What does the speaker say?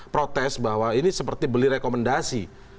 protes bahwa ini seperti beli rekomendasi